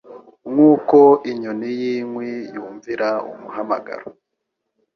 nkuko inyoni yinkwi yumvira umuhamagaro